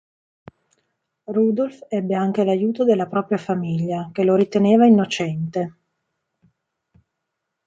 Rudolph ebbe anche l'aiuto della propria famiglia, che lo riteneva innocente.